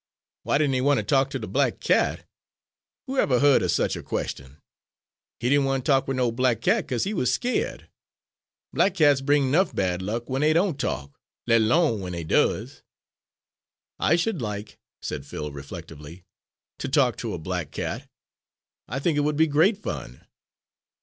"Why didn' he wan' ter talk ter de black cat? Whoever heared er sich a queshtun! He didn' wan' ter talk wid no black cat, 'ca'se he wuz skeered. Black cats brings 'nuff bad luck w'en dey doan' talk, let 'lone w'en dey does." "I should like," said Phil, reflectively, "to talk to a black cat. I think it would be great fun."